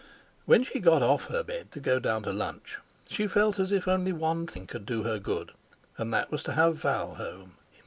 When she got off her bed to go down to lunch she felt as if only one thing could do her good, and that was to have Val home.